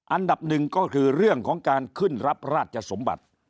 อันดับหนึ่งก็คือเรื่องของการขึ้นรับราชสมบัติ